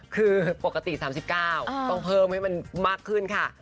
คือปกติ๓๙ต้องเพิ่มให้มันมากขึ้นค่ะ